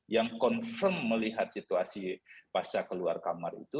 yang confirm melihat situasi pasca keluar kamar itu